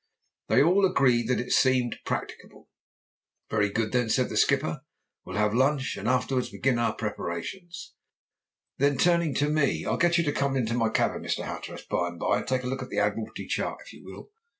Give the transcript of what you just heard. They all agreed that it seemed practicable. "Very good then," said the skipper, "we'll have lunch, and afterwards begin our preparations." Then turning to me, "I'll get you to come into my cabin, Mr. Hatteras, by and by and take a look at the Admiralty chart, if you will.